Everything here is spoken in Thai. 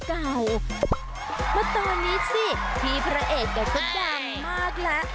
เพราะตอนนี้ซิพี่พระเอกก็ดำมากแล้ว